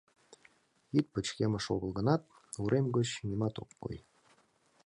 Йӱд пычкемыш огыл гынат, урем гоч нимат ок кой.